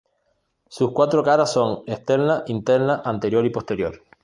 Sus cuatro caras son: Externa, interna, anterior y posterior.